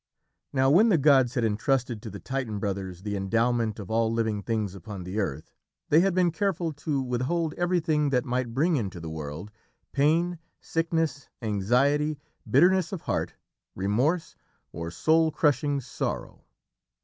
Now when the gods had entrusted to the Titan brothers the endowment of all living things upon the earth, they had been careful to withhold everything that might bring into the world pain, sickness, anxiety, bitterness of heart, remorse, or soul crushing sorrow.